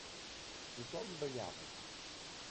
Tothom ballava.